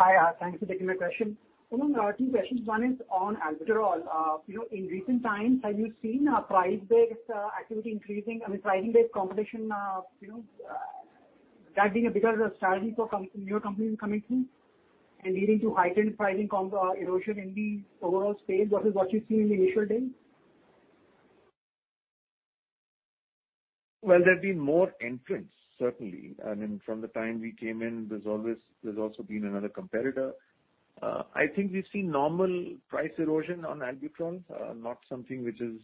M: Hi. Thanks for taking my question. Two questions. One is on albuterol. You know, in recent times, have you seen price-based activity increasing? I mean, pricing-based competition, you know, that being a bigger strategy for newer companies coming in and leading to heightened pricing competition erosion in the overall space versus what you've seen in the initial days?
E: Well, there have been more entrants, certainly. I mean, from the time we came in, there's also been another competitor. I think we've seen normal price erosion on albuterol, not something which is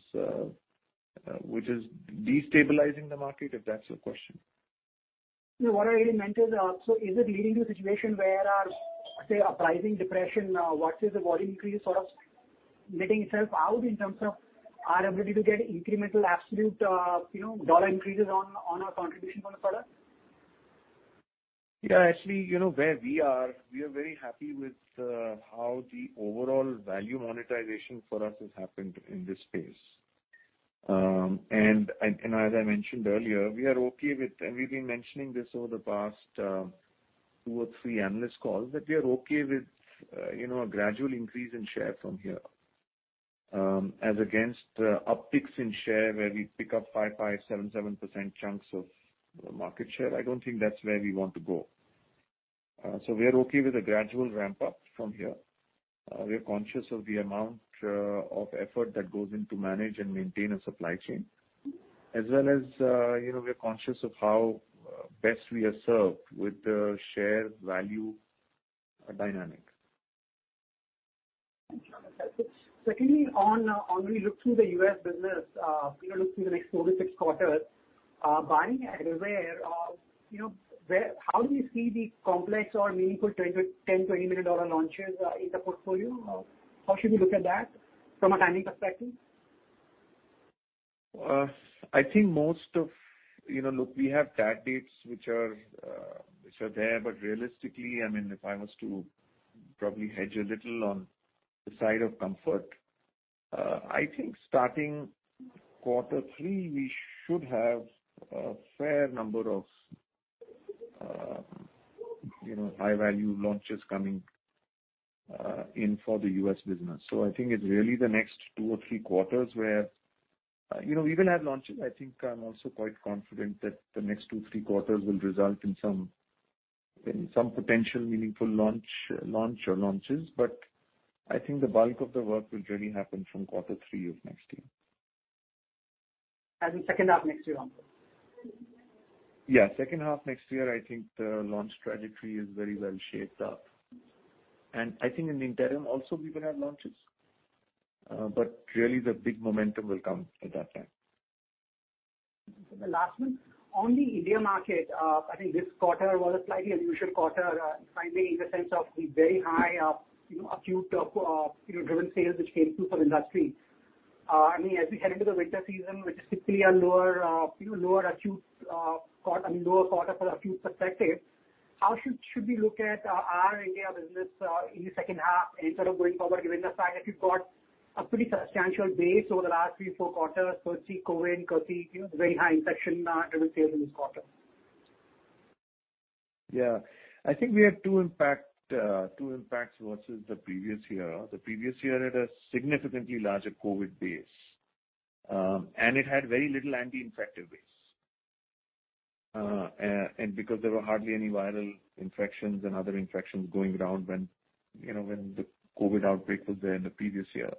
E: destabilizing the market, if that's your question.
M: No, what I really meant is, so is it leading to a situation where, say a pricing depression versus a volume increase sort of letting itself out in terms of our ability to get incremental absolute, you know, dollar increases on our contribution margin sort of?
E: Yeah, actually, you know where we are, we are very happy with how the overall value monetization for us has happened in this space. And as I mentioned earlier, we are okay with. We've been mentioning this over the past two or three analyst calls, that we are okay with, you know, a gradual increase in share from here, as against upticks in share, where we pick up 5.5%, 7.7% chunks of market share. I don't think that's where we want to go. We are okay with a gradual ramp up from here. We are conscious of the amount of effort that goes into managing and maintaining a supply chain. As well as, you know, we are conscious of how best we are served with the share value dynamics.
M: Thank you. Secondly, on we look through the U.S. business, you know, look through the next 26 quarters, barring I'm aware of, you know, where how do you see the complex or meaningful $10 million-$20 million launches in the portfolio? How should we look at that from a timing perspective?
E: You know, look, we have those dates which are there. Realistically, I mean, if I was to probably hedge a little on the side of comfort, I think starting quarter three, we should have a fair number of, you know, high value launches coming in for the U.S. business. I think it's really the next two or three quarters where, you know, we will have launches. I think I'm also quite confident that the next two, three quarters will result in some in some potential meaningful launch or launches. I think the bulk of the work will really happen from quarter three of next year.
M: As in second half next year onwards.
E: Yeah, second half next year, I think the launch trajectory is very well shaped up, and I think in the interim also we will have launches. Really the big momentum will come at that time.
M: The last one. On the India market, I think this quarter was a slightly unusual quarter, finally in the sense of the very high, acute, you know, driven sales which came through from India. I mean, as we head into the winter season, which is typically a lower acute, I mean, lower quarter from acute perspective. How should we look at our India business, in the second half in sort of going forward, given the fact that you've got a pretty substantial base over the last three, four quarters courtesy COVID, courtesy, you know, very high infection, driven sales in this quarter?
E: Yeah. I think we had two impacts versus the previous year. The previous year had a significantly larger COVID base, and it had very little anti-infective base. And because there were hardly any viral infections and other infections going around when, you know, when the COVID outbreak was there in the previous year.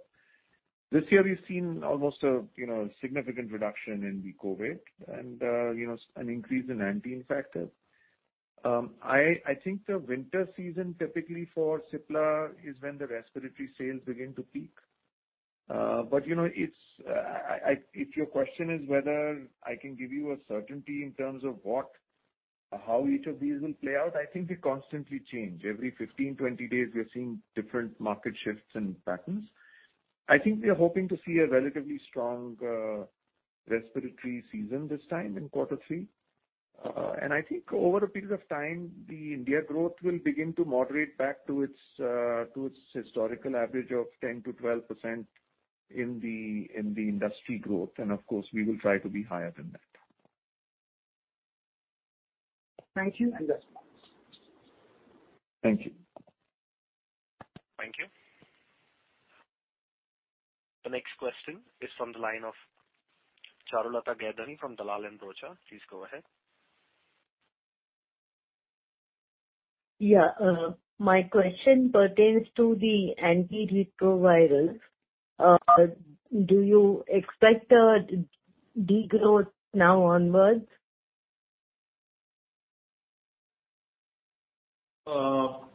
E: This year we've seen almost a, you know, significant reduction in the COVID and, you know, an increase in anti-infective. I think the winter season typically for Cipla is when the respiratory sales begin to peak. But you know, it's. If your question is whether I can give you a certainty in terms of what or how each of these will play out, I think they constantly change. Every 15, 20 days, we are seeing different market shifts and patterns. I think we are hoping to see a relatively strong respiratory season this time in quarter three. I think over a period of time, the India growth will begin to moderate back to its historical average of 10%-12% in the industry growth. Of course, we will try to be higher than that.
M: Thank you. Best regards.
E: Thank you.
A: Thank you. The next question is from the line of Charulata Gaidhani from Dalal & Broacha Stock Broking. Please go ahead.
N: Yeah, my question pertains to the antiretrovirals. Do you expect a degrowth now onwards?
E: No,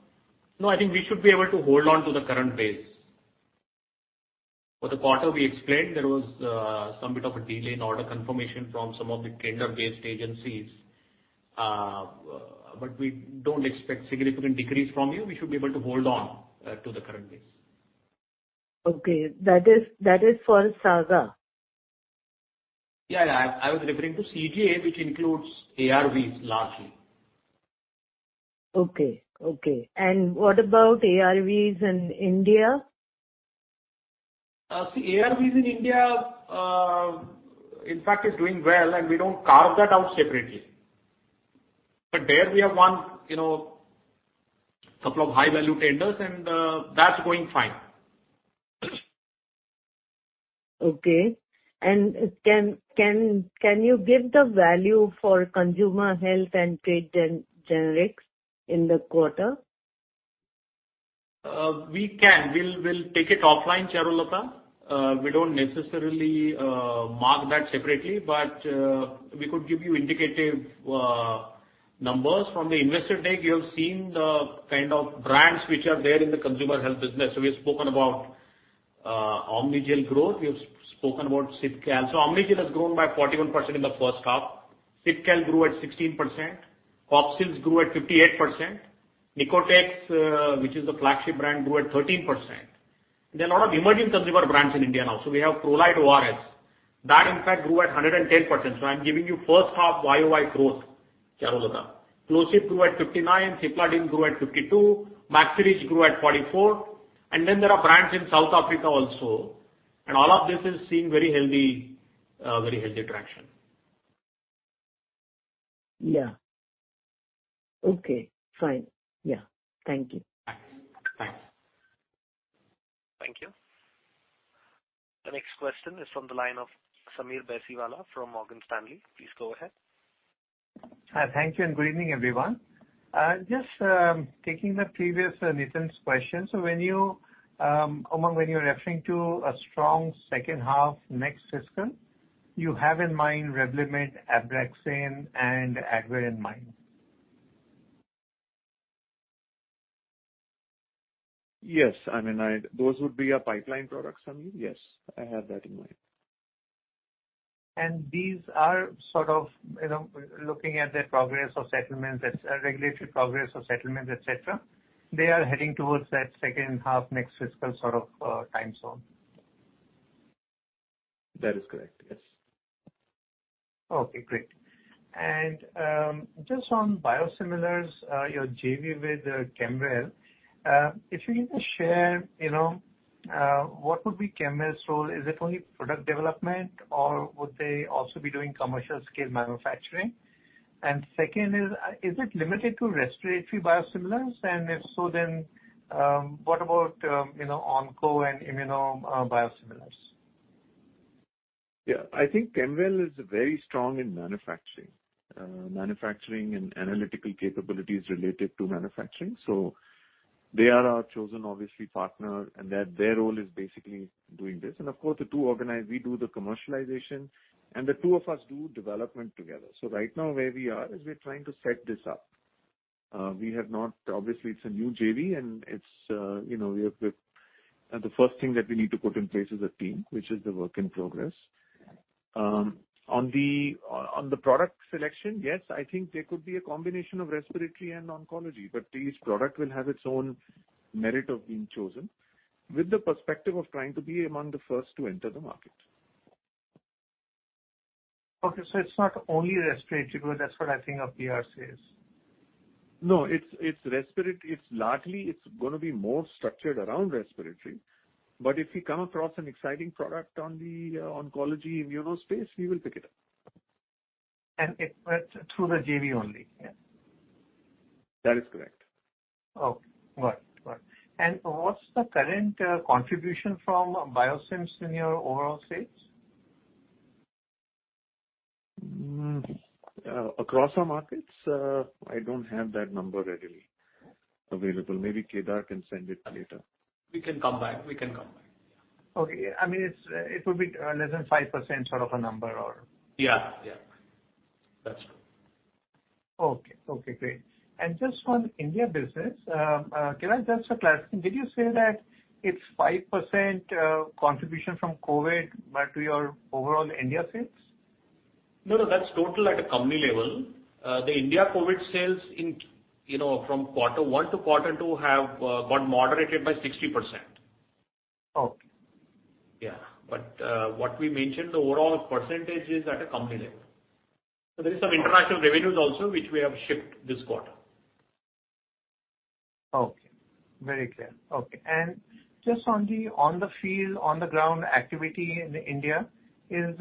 E: I think we should be able to hold on to the current base. For the quarter we explained there was some bit of a delay in order confirmation from some of the tender-based agencies. We don't expect significant decrease from here. We should be able to hold on to the current base.
N: Okay. That is for SAGA.
E: Yeah, yeah. I was referring to CGA, which includes ARVs largely.
N: Okay. What about ARVs in India?
E: See, ARVs in India, in fact is doing well, and we don't carve that out separately. There we have one, you know, couple of high value tenders and, that's going fine.
N: Okay. Can you give the value for consumer health and trade generics in the quarter?
E: We can. We'll take it offline, Charulata. We don't necessarily mark that separately, but we could give you indicative numbers. From the investor deck, you have seen the kind of brands which are there in the consumer health business. We have spoken about Omnigel growth. We have spoken about Cipcal. Omnigel has grown by 41% in the first half. Cipcal grew at 16%. Cofsils grew at 58%. Nicotex, which is the flagship brand, grew at 13%. There are a lot of emerging consumer brands in India now. We have Prolyte ORS. That in fact grew at 110%. I'm giving you first half YOY growth, Charulata. Clocip grew at 59%, Cipladine grew at 52%, Maxirich grew at 44%. There are brands in South Africa also. All of this is seeing very healthy traction.
N: Yeah. Okay, fine. Yeah. Thank you.
E: Thanks.
A: Thank you. The next question is from the line of Sameer Baisiwala from Morgan Stanley. Please go ahead.
O: Hi. Thank you, and good evening, everyone. Just taking the previous Nitin's question. When you're referring to a strong second half next fiscal, you have in mind Revlimid, Abraxane, and Advair in mind?
E: Yes. I mean, those would be our pipeline products, Sameer. Yes, I have that in mind.
O: These are sort of, you know, looking at their progress or settlements, that's regulatory progress or settlements, et cetera, they are heading towards that second half next fiscal sort of time zone?
E: That is correct, yes.
O: Okay, great. Just on biosimilars, your JV with Kemwell, if you can just share, you know, what would be Kemwell's role. Is it only product development, or would they also be doing commercial scale manufacturing? Second is it limited to respiratory biosimilars? If so, then, you know, onco and immuno biosimilars?
E: Yeah. I think Kemwell is very strong in manufacturing and analytical capabilities related to manufacturing. They are our chosen obviously partner and that their role is basically doing this. Of course, we do the commercialization and the two of us do development together. Right now where we are is we're trying to set this up. Obviously, it's a new JV and it's, you know, we have to. The first thing that we need to put in place is a team, which is the work in progress. On the product selection, yes, I think there could be a combination of respiratory and oncology, but each product will have its own merit of being chosen with the perspective of trying to be among the first to enter the market.
O: Okay, it's not only respiratory, but that's what I think our PR says.
E: No, it's. It's largely gonna be more structured around respiratory. If we come across an exciting product on the oncology immuno space, we will pick it up.
O: It's through the JV only, yeah?
E: That is correct.
O: Okay. Got it. What's the current contribution from biosims in your overall sales?
E: Across our markets, I don't have that number readily available. Maybe Kedar can send it later.
D: We can come back, yeah.
O: I mean, it would be less than 5% sort of a number or.
E: Yeah, yeah. That's true.
O: Okay. Okay, great. Just on India business, can I just ask, did you say that it's 5% contribution from COVID to your overall India sales?
E: No, no, that's total at a company level. The India COVID sales in, you know, from quarter one to quarter two have got moderated by 60%.
O: Okay.
E: Yeah. What we mentioned, the overall percentage is at a company level. There is some international revenues also which we have shipped this quarter.
O: Okay. Very clear. Okay. Just on the on-the-field, on-the-ground activity in India, is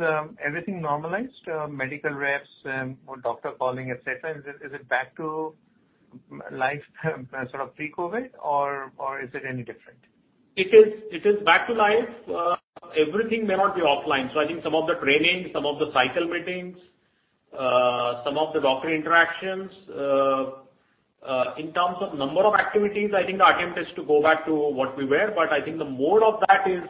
O: everything normalized, medical reps, or doctor calling, et cetera? Is it back to life sort of pre-COVID or is it any different?
E: It is back to life. Everything may not be offline. I think some of the training, some of the cycle meetings, some of the doctor interactions, in terms of number of activities, I think the attempt is to go back to what we were, but I think the mode of that is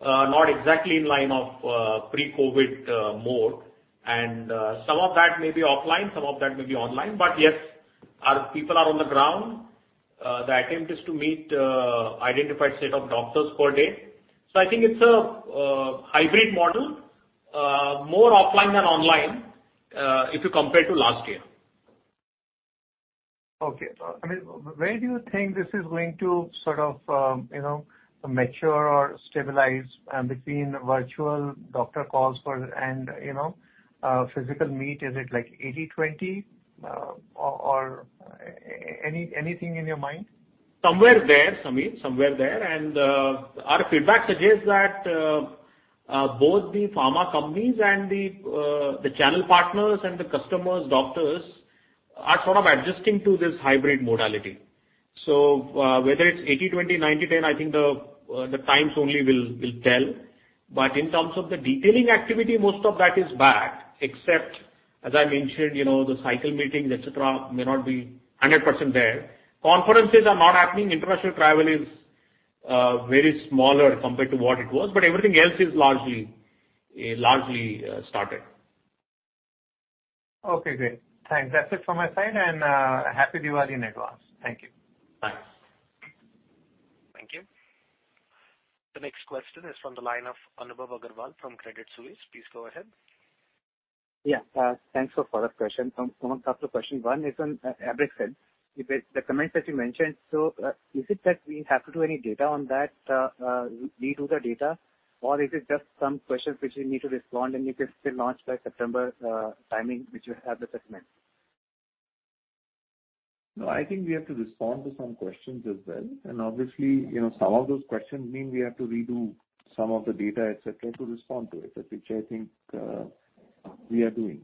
E: not exactly in line with pre-COVID mode. Some of that may be offline, some of that may be online. Yes, our people are on the ground. The attempt is to meet identified set of doctors per day. I think it's a hybrid model, more offline than online, if you compare to last year.
O: Okay. I mean, where do you think this is going to sort of, you know, mature or stabilize, between virtual doctor calls for and, you know, physical meet? Is it like 80/20, or any, anything in your mind?
E: Somewhere there, Sameer. Our feedback suggests that both the pharma companies and the channel partners and the customers, doctors are sort of adjusting to this hybrid modality. Whether it's 80/20, 90/10, I think time will tell. But in terms of the detailing activity, most of that is back, except as I mentioned, you know, the cycle meetings, et cetera, may not be 100% there. Conferences are not happening. International travel is much smaller compared to what it was, but everything else is largely started.
O: Okay, great. Thanks. That's it from my side. Happy Diwali in advance. Thank you.
E: Thanks.
A: Thank you. The next question is from the line of Anubhav Agarwal from Credit Suisse. Please go ahead.
I: Yeah. Thanks for follow-up question. Umang, couple of question. One is on Abraxane. The comments that you mentioned, is it that we have to do any data on that, redo the data or is it just some questions which you need to respond and you can still launch by September, timing which you have the segment?
E: No, I think we have to respond to some questions as well. Obviously, you know, some of those questions mean we have to redo some of the data, et cetera, to respond to it, which I think we are doing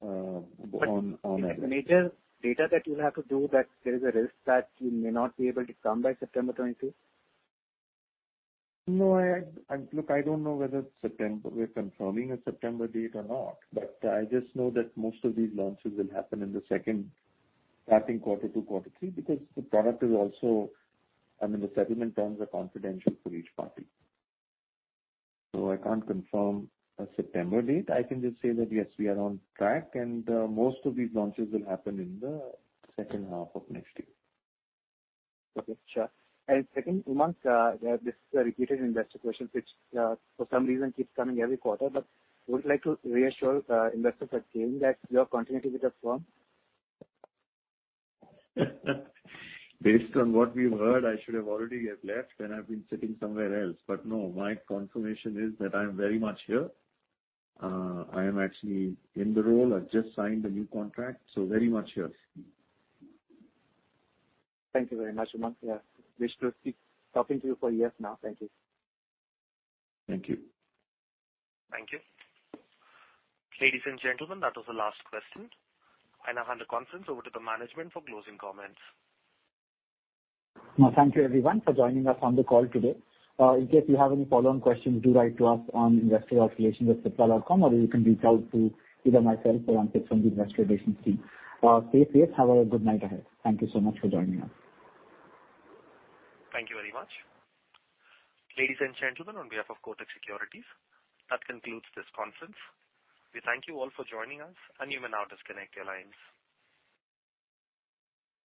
E: on that.
I: The major data that you'll have to do that there is a risk that you may not be able to come by September twenty-third?
E: No. Look, I don't know whether September, we're confirming a September date or not. I just know that most of these launches will happen starting quarter two, quarter three. Because the product is also, I mean, the settlement terms are confidential for each party. I can't confirm a September date. I can just say that, yes, we are on track and most of these launches will happen in the second half of next year.
I: Okay. Sure. Second, Umang, this is a repeated investor question which, for some reason keeps coming every quarter. Would you like to reassure investors again that you're continuing with the firm?
E: Based on what we've heard, I should have already left and I've been sitting somewhere else. No, my confirmation is that I'm very much here. I am actually in the role. I've just signed a new contract, so very much here.
I: Thank you very much, Umang. Yeah. Wish to keep talking to you for years now. Thank you.
E: Thank you.
A: Thank you. Ladies and gentlemen, that was the last question, and I hand the conference over to the management for closing comments.
C: No, thank you everyone for joining us on the call today. In case you have any follow-on questions, do write to us on investorrelations@cipla.com or you can reach out to either myself or Ankit from the investor relations team. Stay safe. Have a good night ahead. Thank you so much for joining us.
A: Thank you very much. Ladies and gentlemen, on behalf of Kotak Securities, that concludes this conference. We thank you all for joining us, and you may now disconnect your lines.